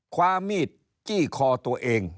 ความมีดจี้คอตัวเอง